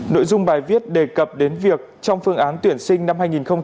nội dung bài viết đề cập đến việc trong phương án tuyển sinh năm hai nghìn hai mươi